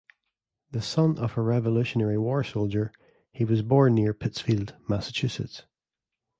The son of a Revolutionary War soldier, he was born near Pittsfield, Mass.